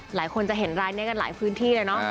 หลายคนจะเห็นรายนี้กันหลายพื้นที่เลยเนอะ